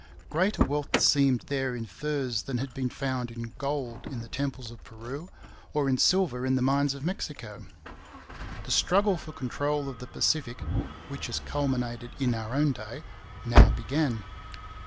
Greater wealth seemed there in furs than had been found in gold in the temples of Peru, or in silver in the mines of Mexico. The struggle for control of the Pacific, which has culminated in our own day, now began.